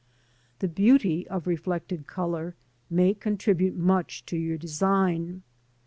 The beauty of reflected colour may contribute much to your design.